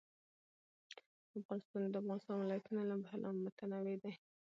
افغانستان د د افغانستان ولايتونه له پلوه متنوع دی.